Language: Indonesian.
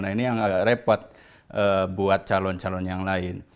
nah ini yang agak repot buat calon calon yang lain